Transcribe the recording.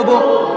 adi dan rifki